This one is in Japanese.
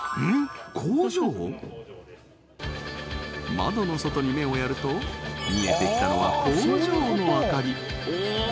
窓の外に目をやると見えてきたのはおおっ